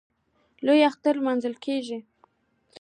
لوی اختر نماځل کېږي.